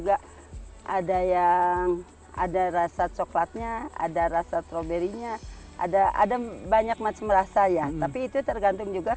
ada yang ada rasa coklatnya ada rasa stroberinya ada ada banyak macam rasa ya tapi itu tergantung juga